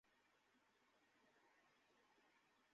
দেশটি এখন স্বল্প আয়ের দেশের গণ্ডি পেরিয়ে নিম্ন মধ্যম আয়ের দেশ হয়েছে।